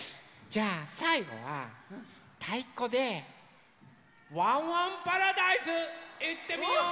じゃあさいごはたいこで「ワンワンパラダイス」いってみよう！